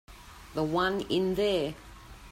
The one in there.